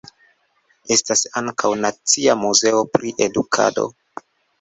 Estas ankaŭ "Nacia Muzeo pri Edukado".